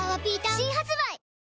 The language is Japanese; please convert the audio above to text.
新発売